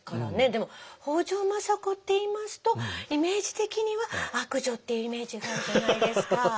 でも北条政子っていいますとイメージ的には悪女っていうイメージがあるじゃないですか。